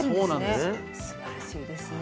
すばらしいですね。